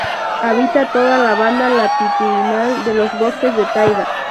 Habita toda la banda latitudinal de los bosques de taiga.